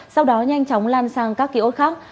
sau đó nhanh chóng lan sang các ký ốt khác